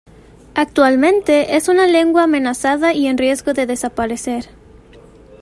Actualmente, es una lengua amenazada y en riesgo de desaparecer.